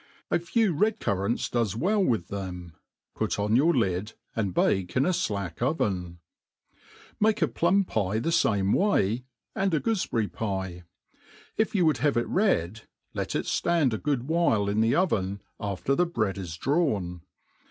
A fei¥ red currants docs well with them ; put on your lid, and bake in a flack oven* Make a plum pie the fame way, and a goofeberry pie. If you would have it red, let it ftand a good while in the oven, after the bread i$ drawn.